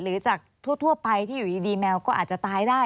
หรือจากทั่วไปที่อยู่ดีแมวก็อาจจะตายได้